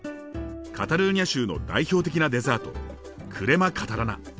カタルーニャ州の代表的なデザートクレマ・カタラナ。